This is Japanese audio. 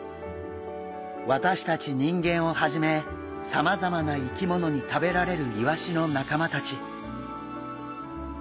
私たち人間をはじめさまざまな生き物に食べられるイワシの仲間たち。